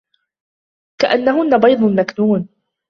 كَأَنَّهُنَّ بَيْضٌ مَكْنُونٌ